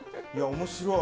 面白い。